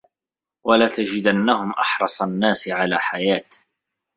وَلَتَجِدَنَّهُمْ أَحْرَصَ النَّاسِ عَلَىٰ حَيَاةٍ